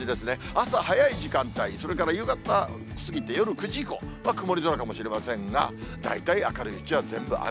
朝早い時間帯、それから夕方過ぎて、夜９時以降は曇り空かもしれませんが、大体明るいうちは全部雨。